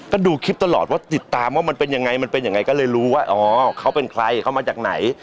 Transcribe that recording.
ก็ดูคลิปตลอดว่าติดตามว่ามันเป็นยังไงมันเป็นยังไงก็เลยรู้ว่าอ๋อเขาเป็นใครเขามาจากไหน